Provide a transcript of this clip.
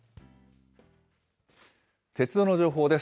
鉄道の情報です。